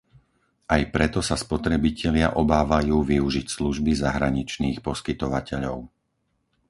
Aj preto sa spotrebitelia obávajú využiť služby zahraničných poskytovateľov.